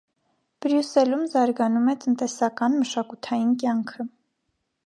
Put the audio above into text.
Բրյուսելում զարգանում է տնտեսական, մշակութային կյանքը։